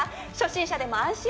初心者でも安心。